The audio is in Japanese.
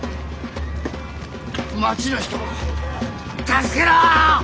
町の人を助けろ！